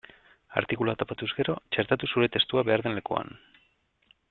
Artikulua topatuz gero, txertatu zure testua behar den lekuan.